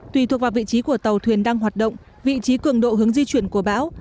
tùy thuộc vào vị trí của tàu thuyền đang hoạt động vị trí cường độ hướng di chuyển của bão